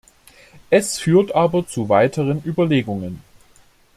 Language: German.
Es führt aber zu weiteren Überlegungen.